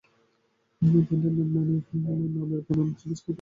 ব্যান্ডের নাম ও নামের বানান নিয়ে বেশ কয়েকটি মতবাদ প্রচলিত রয়েছে।